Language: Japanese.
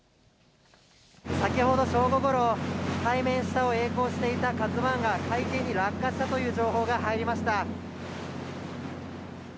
先ほど正午ごろ、海面下をえい航していたＫＡＺＵＩが、海底に落下したという情報が入りました。